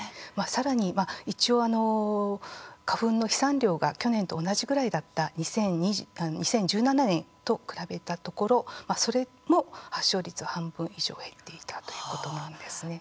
さらに一応、花粉の飛散量が去年と同じぐらいだった２０１７年と比べたところそれも発症率は半分以上減っていたということなんです。